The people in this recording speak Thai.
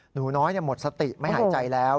หนูน้อยหมดสติไม่หายใจแล้ว